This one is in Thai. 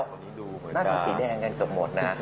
น่าจะสีแดงกันเกือบหมดนะ